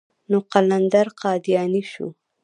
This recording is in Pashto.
نو قلندر قادياني شو.